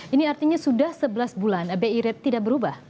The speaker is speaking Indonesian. ini artinya sudah sebelas bulan bi rate tidak berubah